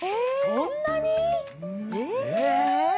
そんなに！？え！？え！？